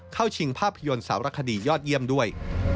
ชิงภาพยนตร์สารคดียอดเยี่ยมด้วย